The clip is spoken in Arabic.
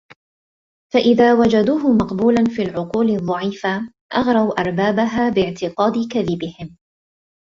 فَإِذَا وَجَدُوهُ مَقْبُولًا فِي الْعُقُولِ الضَّعِيفَةِ أَغْرَوْا أَرْبَابَهَا بِاعْتِقَادِ كَذِبِهِمْ